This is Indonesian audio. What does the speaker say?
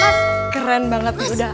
mas keren banget ya udah